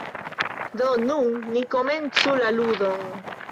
Do nun ni komencu la ludon.